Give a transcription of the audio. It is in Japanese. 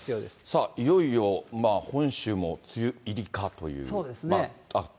さあ、いよいよ本州も梅雨入りかという。